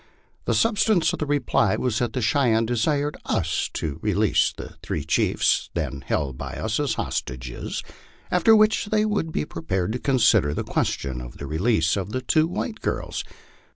The substance of the reply was that the Cheyennes desired us to re lease the three chiefs then held by us as hostages, after which they would be prepared to consider the question of the release of the two white girls.